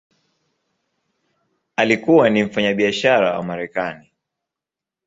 Alikuwa ni mfanyabiashara wa Marekani.